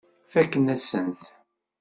Fakkent-asent-t.